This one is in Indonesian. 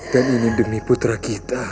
dan ini demi putra kita